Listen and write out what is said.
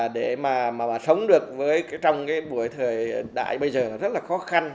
để mà sống được trong cái buổi thời đại bây giờ rất là khó khăn